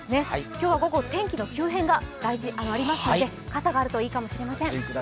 今日は午後天気の急変がありますので傘があるといいかもしれません。